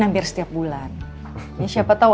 hampir setiap bulan siapa tau